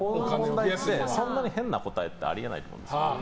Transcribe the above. そんなに変な答えってあり得ないと思うんですよ。